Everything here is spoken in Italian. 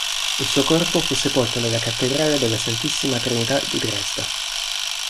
Il suo corpo fu sepolto nella Cattedrale della Santissima Trinità di Dresda.